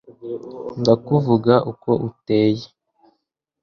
Nakuvuga uko uteye